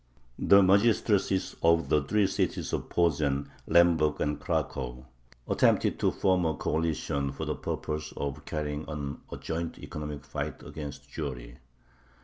The magistracies of the three cities of Posen, Lemberg, and Cracow, attempted to form a coalition for the purpose of carrying on a joint economic fight against Jewry.